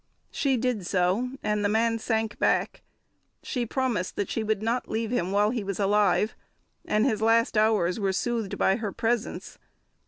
She did so, and the man sank back; she promised she would not leave him while he was alive, and his last hours were soothed by her presence.